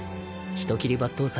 人斬り抜刀斎